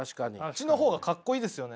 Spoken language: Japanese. １の方がかっこいいですよね。